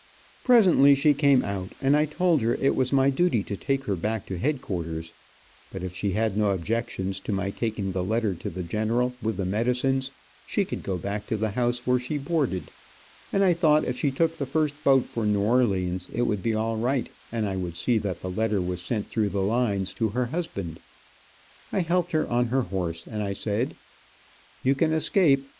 Presently She came out, and I told her it was my duty to take her back to headquarters, but if she had no objections to my taking the letter to the general, with the medicines, she could go back to the house where she boarded, and I thought if she took the first boat for New Orleans, it would be all right, and I would see that the letter was sent through the lines to her husband. I helped her on her horse, and I said: "You can escape.